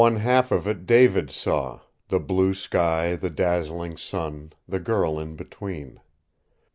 One half of it David saw the blue sky, the dazzling sun, the girl in between.